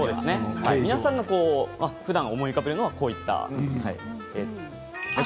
皆さんがふだん思い浮かべるものはこういったものですね。